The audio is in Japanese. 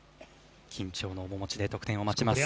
緊張の面持ちで得点を待ちます。